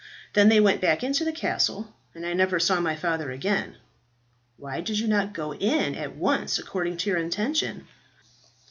Then they went back into the castle, and I never saw my father again." "Why did you not go in at once according to your intention?"